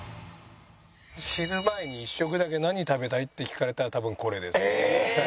「死ぬ前に一食だけ何食べたい？」って聞かれたら多分これです。ええーっ！